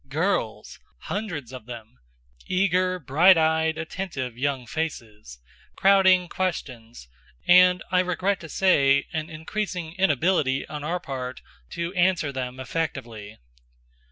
Girls hundreds of them eager, bright eyed, attentive young faces; crowding questions, and, I regret to say, an increasing inability on our part to answer them effectively.